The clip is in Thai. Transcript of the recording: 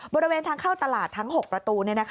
บริเวณทางเข้าตลาดทั้ง๖ประตู